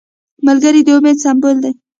ملګری د امید سمبول دی